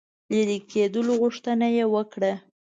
لیري کېدلو غوښتنه یې وکړه.